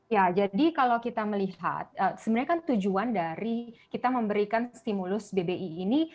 ya jadi kalau kita melihat sebenarnya kan tujuan dari kita memberikan stimulus bbi ini